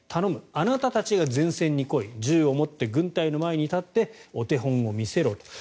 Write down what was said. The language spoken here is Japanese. あなたたちが前線に来い銃を持って軍隊の前に立ってお手本を見せろと。